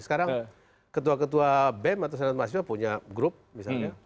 sekarang ketua ketua bem atau senat mahasiswa punya grup misalnya